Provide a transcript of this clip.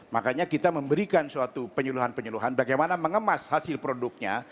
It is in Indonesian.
makanya kita memberikan suatu penyuluhan penyuluhan bagaimana mengemas hasil produknya